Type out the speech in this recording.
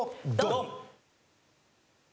ドン！